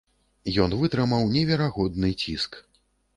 Ён вытрымаў неверагодны ціск.